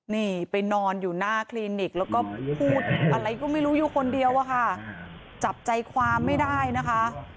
นี่ไปนอนอยู่หน้าคลินิกแล้วก็พูดอะไรก็ไม่รู้อยู่คนเดียวอะค่ะจับใจความไม่ได้นะคะ